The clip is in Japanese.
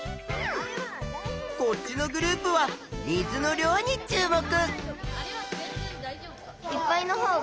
こっちのグループは水の量に注目！